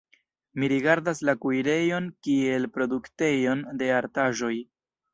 Mi rigardas la kuirejon kiel produktejon de artaĵoj.